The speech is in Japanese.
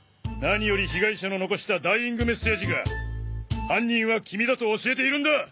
何より被害者の残したダイイングメッセージが犯人は君だと教えているんだ！